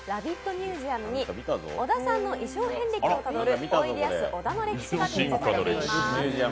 ミュージアムに小田さんの衣装遍歴をたどるおいでやす小田の歴史が展示されています。